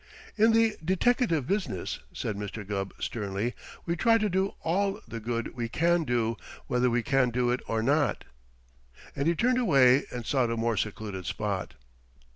"In the deteckative business," said Mr. Gubb sternly, "we try to do all the good we can do, whether we can do it or not." And he turned away and sought a more secluded spot.